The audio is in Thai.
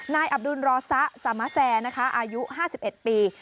นายอับดูลรอซะสามาเสร์อายุ๕๑ปี